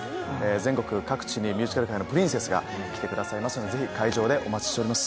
全国各地にミュージカル界のプリンセスが来てくださいますのでぜひ会場でお待ちしております。